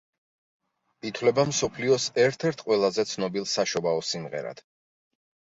ითვლება მსოფლიოს ერთ-ერთ ყველაზე ცნობილ საშობაო სიმღერად.